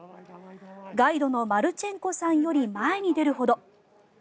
ガイドのマルチェンコさんより前に出るほど。